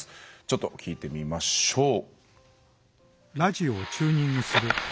ちょっと聴いてみましょう。